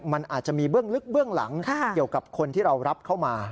มันอาจจะมีเบื้องลึกเบื้องหลังเกี่ยวกับคนที่เรารับเข้ามา